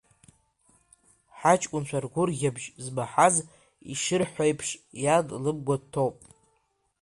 Ҳаҷкәынцәа ргәырӷьабжь змаҳаз, ишырҳәо еиԥш, иан лымгәа дҭоуп.